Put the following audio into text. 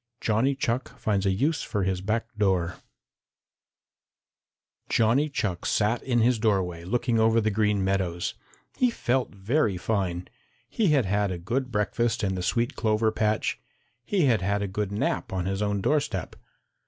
IX JOHNNY CHUCK FINDS A USE FOR HIS BACK DOOR Johnny Chuck sat in his doorway looking over the Green Meadows. He felt very fine. He had had a good breakfast in the sweet clover patch. He had had a good nap on his own doorstep.